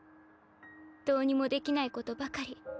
どうにもできないことばかり。